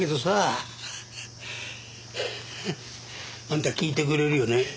あんた聞いてくれるよね？